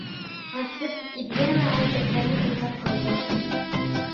پاسسىپ ئىدىيە ۋە ھەرىكەتلەرنى ئىنكار قىلىدۇ.